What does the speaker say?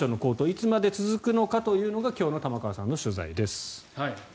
いつまで続くのかというのが今日の玉川さんの取材です。